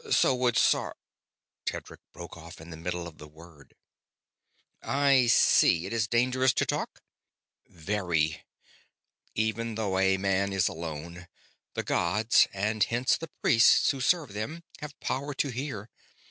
So would Sar ..." Tedric broke off in the middle of the word. "I see. It is dangerous to talk?" "Very. Even though a man is alone, the gods and hence the priests who serve them have power to hear.